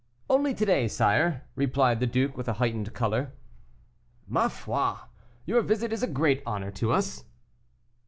"Only to day, sire," replied the duke, with a heightened color. "Ma foi! your visit is a great honor to us."